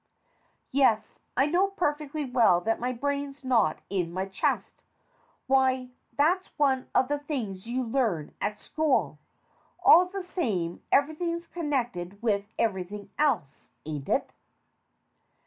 212 STORIES WITHOUT TEARS Yes, I know perfectly well that my brain's not in my chest why, that's one of the things you learn at school. All the same, everything's connected with everything else, ain't it